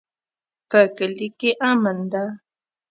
په کلي کې امن ده